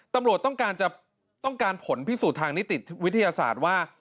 ตำรวจต้องการผลพิสูจน์ทางนิติวิทยาศาสตร์ว่า